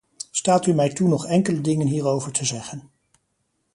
Staat u mij toe nog enkele dingen hierover te zeggen.